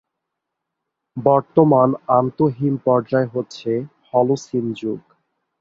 বর্তমান আন্তঃহিম-পর্যায় হচ্ছে হলোসিন যুগ।